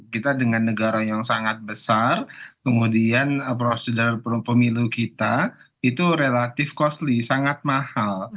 kita dengan negara yang sangat besar kemudian prosedur pemilu kita itu relatif costly sangat mahal